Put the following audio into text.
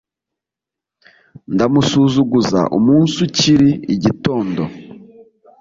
Ndamusuzuguza umunsi ukiri igitondo,